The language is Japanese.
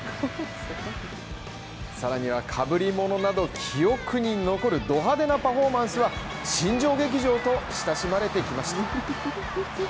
さらには被り物など記憶に残るど派手なパフォーマンスは新庄劇場と親しまれてきました。